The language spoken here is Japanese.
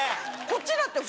こっちだって。